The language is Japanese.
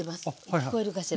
聞こえるかしら。